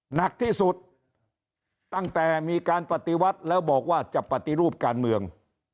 หนักที่สุดตั้งแต่มีการปฏิวัติแล้วบอกว่าจะปฏิรูปการเมือง